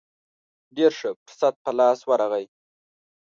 ډېر ښه فرصت په لاس ورغی.